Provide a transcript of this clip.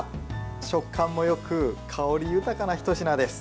食感もよく香り豊かなひとしなです。